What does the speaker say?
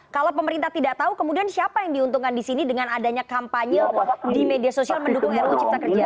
kalau pemerintah tidak tahu kemudian siapa yang diuntungkan di sini dengan adanya kampanye di media sosial mendukung ruu cipta kerja